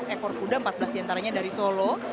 tiga puluh empat ekor kuda empat belas diantaranya dari solo